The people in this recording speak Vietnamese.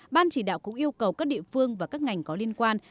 ban chỉ đạo cũng yêu cầu các địa phương và các ngành có liên quan